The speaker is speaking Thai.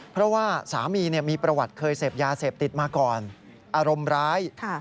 เพราะว่าสามีมีประวัติเคยเสพยาเสพติดมาก่อนอารมณ์ร้าย